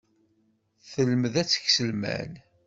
Telmed ad teks lmal.